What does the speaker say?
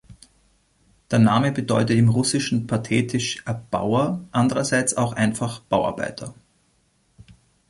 Der Name bedeutet im Russischen pathetisch "Erbauer", andererseits auch einfach "Bauarbeiter".